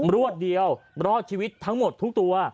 รวดเดียวรอดชีวิตทั้งหมดทุกตัว